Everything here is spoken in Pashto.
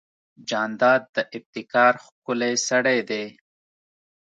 جانداد د ابتکار ښکلی سړی دی.